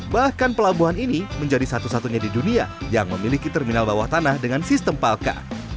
bahkan pelabuhan ini menjadi satu satunya di dunia yang memiliki terminal bawah tanah dengan sistem palka